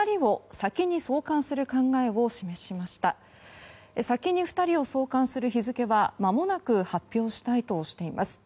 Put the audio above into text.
先に２人を送還する日付はまもなく発表したいとしています。